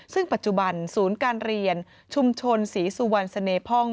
ซึ่งปัจจุบันศูนย์การเรียนชุมชนศรีสุวรรณเสน่พ่อง